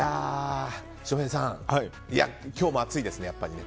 翔平さん、今日も暑いですね。